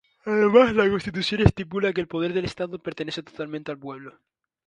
Además, la constitución estipula que el poder del Estado pertenece totalmente al pueblo.